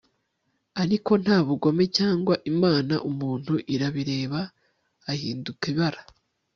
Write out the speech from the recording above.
Ariko nta bugome cyangwa Imana umuntu arabireba ahinduka ibara